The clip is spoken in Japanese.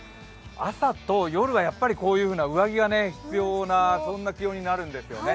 朝と夜は上着が必要な気温になるんですよね。